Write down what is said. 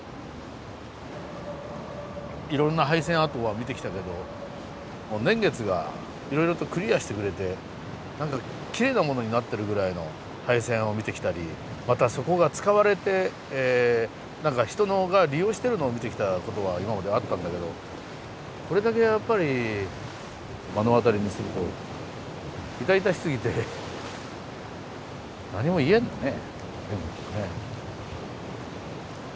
いろんな廃線跡は見てきたけど年月がいろいろとクリアしてくれて何かきれいなものになってるぐらいの廃線を見てきたりまたそこが使われて人が利用してるのを見てきたことは今まであったんだけどこれだけやっぱり目の当たりにすると痛々しすぎて何も言えんよね。